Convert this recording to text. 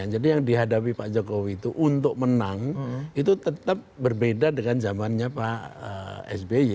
jadi yang dihadapi pak jokowi itu untuk menang itu tetap berbeda dengan zamannya pak sby